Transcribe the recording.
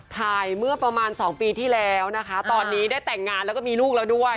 เมื่อประมาณ๒ปีที่แล้วนะคะตอนนี้ได้แต่งงานแล้วก็มีลูกแล้วด้วย